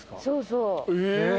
そうそう。え！